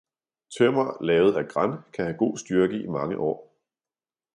tømmer lavet af gran kan have god styrke i mange år